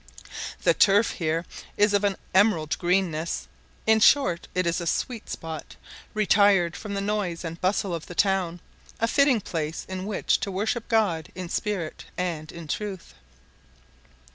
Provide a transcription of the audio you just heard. The turf here is of an emerald greenness: in short, it is a sweet spot, retired from the noise and bustle of the town, a fitting place in which to worship God in spirit and in truth.